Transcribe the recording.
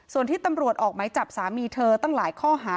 ส่วนที่ตำรวจออกไหมจับสามีเธอตั้งหลายข้อหา